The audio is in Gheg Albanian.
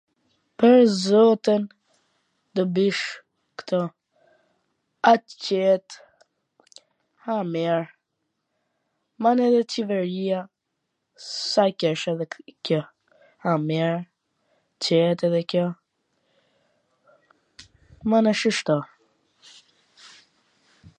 Pwr zotin do bish kto, ha qet, ha mir, mana edhe qeveria s ha keC edhe kjo, ha mir, qet edhe kjo, mana, shishto.